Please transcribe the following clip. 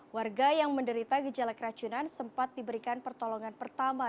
warga yang menderita gejala keracunan sempat diberikan pertolongan pertama